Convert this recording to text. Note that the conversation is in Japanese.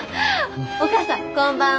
おかあさんこんばんは。